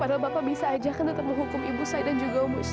padahal bapak bisa ajak tetap menghukum ibu saya dan juga om wiss